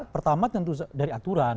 pertama tentu dari aturan